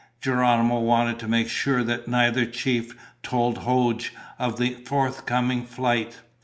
Geronimo wanted to make sure that neither chief told Hoag of the forthcoming flight.